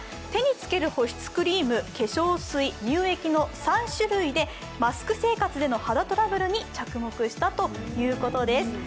手につける保湿クリーム、化粧水、乳液の３種類でマスク生活での肌トラブルに着目したということです。